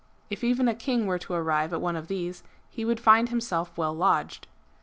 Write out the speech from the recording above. If even a king were to arrive at one of these, he would find himself well lodged.